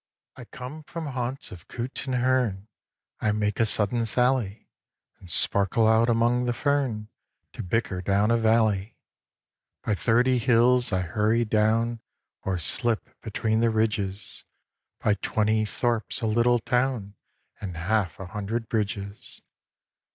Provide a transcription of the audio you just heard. I come from haunts of coot and hern, I make a sudden sally And sparkle out among the fern, To bicker down a valley. By thirty hills I hurry down, Or slip between the ridges, By twenty thorps, a little town, And half a hundred bridges.